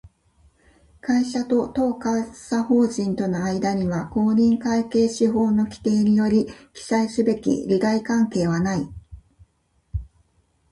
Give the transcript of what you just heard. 会社と当監査法人との間には、公認会計士法の規定により記載すべき利害関係はない